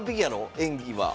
演技は。